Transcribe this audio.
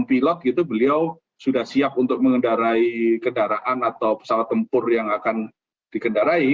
pilot gitu beliau sudah siap untuk mengendarai kendaraan atau pesawat tempur yang akan dikendarai